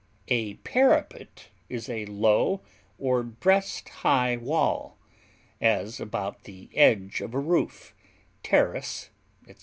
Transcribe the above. A parapet is a low or breast high wall, as about the edge of a roof, terrace, etc.